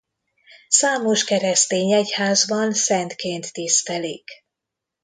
Számos keresztény egyházban szentként tisztelik.